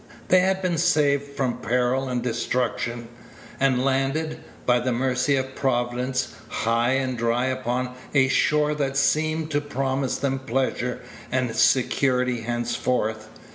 They had been saved from peril and destruction, and landed, by the mercy of Providence, high and dry upon a shore that seemed to promise them pleasure and security henceforth.